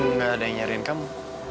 nggak ada yang nyariin kamu